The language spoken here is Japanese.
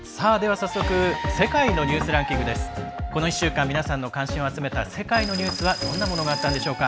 早速「世界のニュースランキング」。この１週間皆さんの関心を集めた世界のニュースはどんなものがあったんでしょうか。